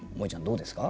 どうですか？